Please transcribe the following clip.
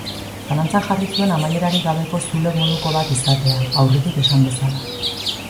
Zalantzan jarri zuen amaierarik gabeko zulo moduko bat izatea, aurretik esan bezala.